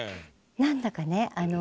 何だかね